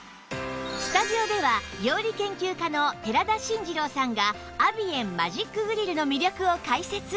スタジオでは料理研究家の寺田真二郎さんがアビエンマジックグリルの魅力を解説